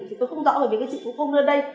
thì tôi không rõ về cái trị của cô ngươi đây